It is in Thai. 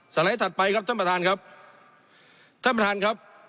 ไลด์ถัดไปครับท่านประธานครับท่านประธานครับ